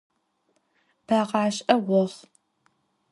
Beğaş'e voxhu!